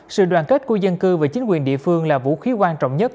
sự đoàn kết của dân cư và chính quyền địa phương là vũ khí quan trọng nhất